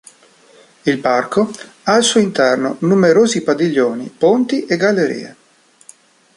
Il parco ha al suo interno numerosi padiglioni, ponti e gallerie.